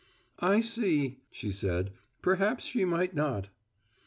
"I see," she said. "Perhaps she might not."